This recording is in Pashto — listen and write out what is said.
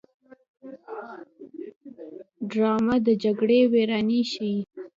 ډرامه د جګړې ویرانۍ ښيي